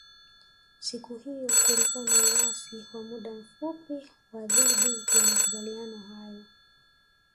Siku hiyo kulikuwa na uasi wa muda mfupi wa dhidi ya makubaliano hayo